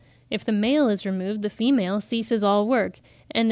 If the male is removed the female ceases all work, and as M.